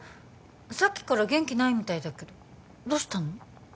さっきから元気ないみたいだけどどうしたの？